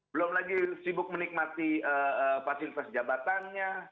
belum lagi sibuk menikmati fasilitas jabatannya